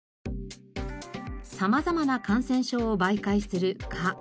様々な感染症を媒介する蚊。